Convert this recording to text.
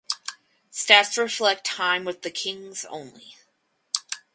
Stats reflect time with the Kings only.